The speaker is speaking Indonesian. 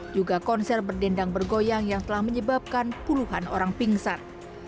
juga konser berdendang bergoyang yang telah menyebabkan puluhan orang pingsan